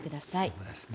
そうですね。